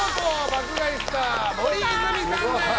爆買いスター森泉さんです。